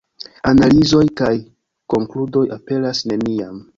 Analizoj kaj konkludoj aperas neniam.